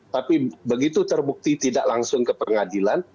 tapi begitu terbukti tidak langsung ke pengadilan